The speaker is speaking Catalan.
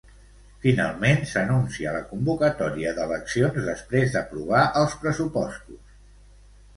Finalment, s'anuncia la convocatòria d'eleccions després d'aprovar els pressupostos.